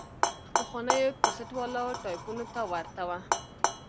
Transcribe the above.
پخوانيو کسټ والا ټايپونو ته ورته وه.